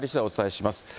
お伝えします。